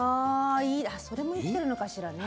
それも生きてるのかしらね。